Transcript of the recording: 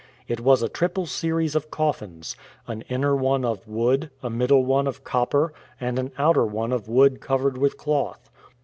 It was a triple series of coffins — an inner one of wood, a middle one of copper, and an outer one of wood covered with cloth.